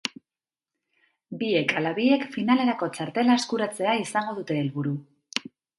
Biek ala biek finalerako txartela eskuratzea izango dute helburu.